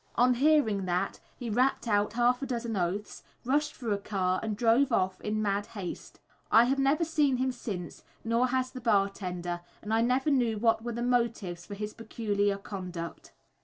On hearing that, he rapped out half a dozen oaths, rushed for a car, and drove off in mad haste. I have never seen him since, nor has the bar tender, and I never knew what were the motives for his peculiar conduct.